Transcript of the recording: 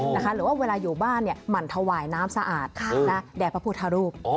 หรือว่าเวลาอยู่บ้านหมั่นถวายน้ำสะอาดแด่พระพุทธรูป